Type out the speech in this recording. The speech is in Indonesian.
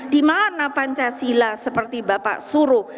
di mana pancasila seperti bapak suruh